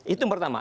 itu yang pertama